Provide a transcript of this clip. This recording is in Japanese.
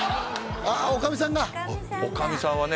女将さんだ女将さんはね